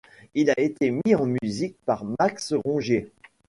Il a été mis en musique par Max Rongier.